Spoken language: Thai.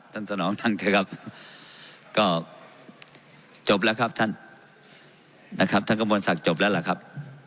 ท่านสนองนั่งเถอะครับก็จบแล้วครับท่านนะครับท่านกำลังสั่งจบแล้วหรอครับ